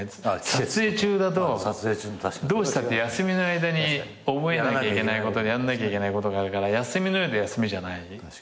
撮影中だとどうしたって休みの間に覚えなきゃいけないことやんなきゃいけないことがあるから休みのようで休みじゃない。